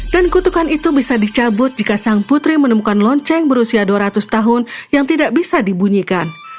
dan kutukan itu bisa dicabut jika sang putri menemukan lonceng berusia dua ratus tahun yang tidak bisa dibunyikan